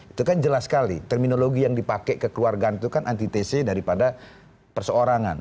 itu kan jelas sekali terminologi yang dipakai kekeluargaan itu kan antitesi daripada perseorangan